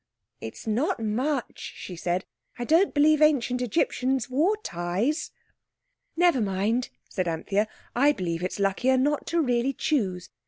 "It's not much," she said. "I don't believe Ancient Egyptians wore ties." "Never mind," said Anthea. "I believe it's luckier not to really choose.